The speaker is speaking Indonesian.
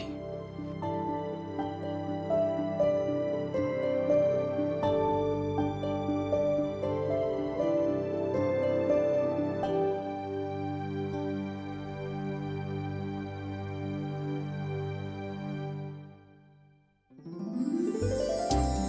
agung karena aku di kantor